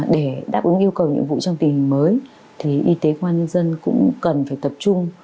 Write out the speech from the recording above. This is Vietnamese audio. để đáp ứng yêu cầu nhiệm vụ trong tình hình mới thì y tế công an nhân dân cũng cần phải tập trung